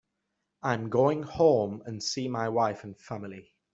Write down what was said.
I'm going home and see my wife and family.